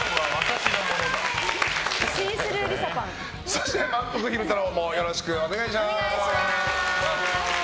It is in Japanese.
そして、まんぷく昼太郎もよろしくお願いします！